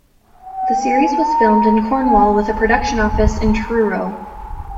The series was filmed in Cornwall, with a production office in Truro.